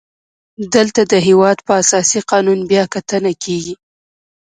دلته د هیواد په اساسي قانون بیا کتنه کیږي.